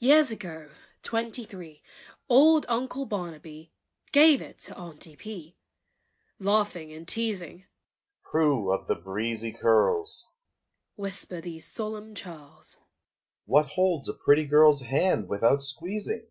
Years ago twenty three! Old Uncle Barnaby Gave it to Aunty P., Laughing and teasing, "Pru. of the breezy curls, Whisper these solemn churls, _What holds a pretty girl's Hand without squeezing?